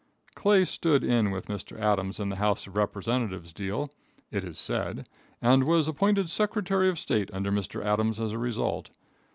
Clay stood in with Mr. Adams in the House of Representatives deal, it was said, and was appointed secretary of state under Mr. Adams as a result.